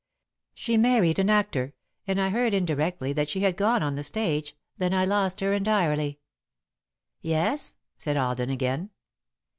She married an actor, and I heard indirectly that she had gone on the stage, then I lost her entirely." "Yes?" said Alden, again.